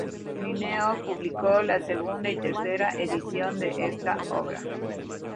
Linneo publicó la segunda y tercera edición de esta obra.